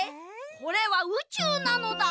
これはうちゅうなのだ！